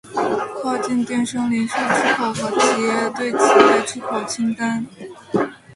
跨境电商零售出口和企业对企业出口清单